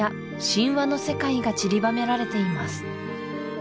神話の世界が散りばめられています